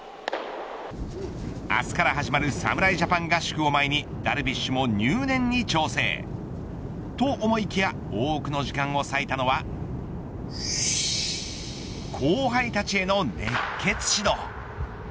明日から始まる侍ジャパン合宿を前にダルビッシュも入念に調整。と思いきや多くの時間を割いたのは後輩たちへの熱血指導。